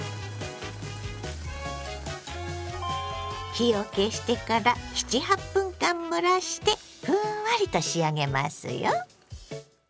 火を消してから７８分間蒸らしてふんわりと仕上げますよ。